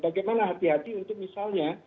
bagaimana hati hati untuk misalnya